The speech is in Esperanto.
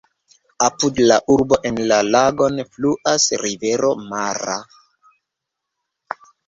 Apud la urbo en la lagon fluas rivero Mara.